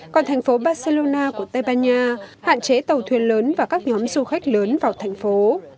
còn thành phố barcelona của tây ban nha hạn chế tàu thuyền lớn và các nhóm du khách lớn vào thành phố